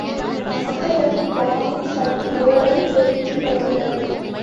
மக்களிடமும் வாங்கும் சக்தி ஓரளவு பெருகி வந்துள்ளது.